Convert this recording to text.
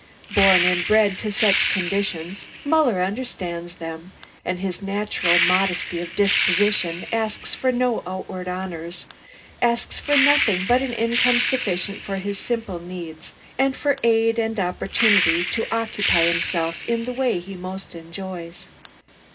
Born and bred to such conditions, Muller understands them, and his natural modesty of disposition asks for no outward honours, asks for nothing but an income sufficient for his simple needs, and for aid and opportunity to occupy himself in the way he most enjoys.